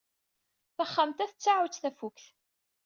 Taxxamt-a tettaɛu-tt tafukt.